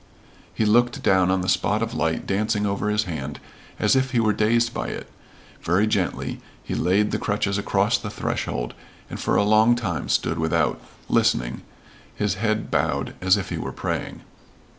He looked down on the spot of light dancing over his hand as if he were dazed by it. Very gently he laid the crutches across the threshold, and for a long time stood without, listening, his head bowed as if he were praying.